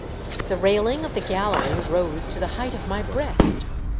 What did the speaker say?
The railing of the gallery rose to the height of my breast.